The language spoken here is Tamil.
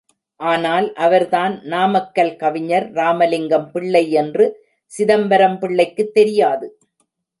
ஆனால், அவர்தான் நாமக்கல் கவிஞர் ராமலிங்கம் பிள்ளை என்று சிதம்பரம் பிள்ளைக்குத் தெரியாது.